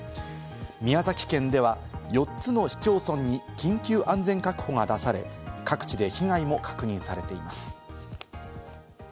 宮崎県では４つの市町村に緊急安全確保が出され、各地で被害も確認されています。